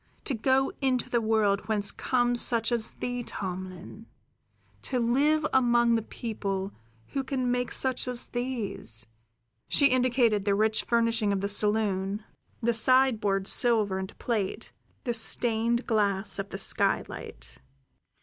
To go into the world whence comes such as thee, Tomlin; to live among the people who can make such as these" she indicated the rich furnishing of the saloon, the sideboard silver and plate, the stained glass of the skylight.